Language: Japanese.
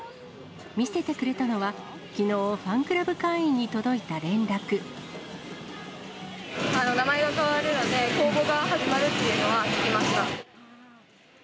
見せてくれたのは、きのう、名前が変わるので、公募が始まるっていうのは聞きました。